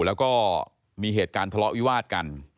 แล้วก็มีเหตุการณ์ทะเลาะวิวาดกัน